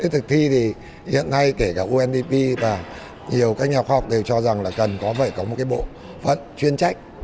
thực thi thì hiện nay kể cả undp và nhiều các nhà khoa học đều cho rằng là cần có phải có một bộ phận chuyên trách